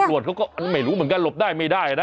ตำรวจเขาก็ไม่รู้เหมือนกันหลบได้ไม่ได้นะ